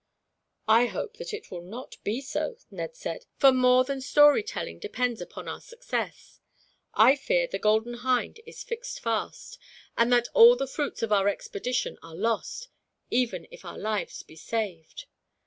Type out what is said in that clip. "I hope that it will not be so," Ned said, "for more than story telling depends upon our success. I fear the Golden Hind is fixed fast, and that all the fruits of our expedition are lost, even if our lives be saved.